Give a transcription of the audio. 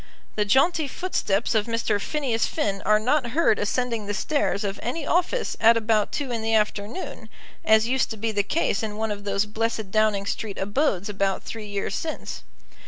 The jaunty footsteps of Mr. Phineas Finn are not heard ascending the stairs of any office at about two in the afternoon, as used to be the case in one of those blessed Downing Street abodes about three years since.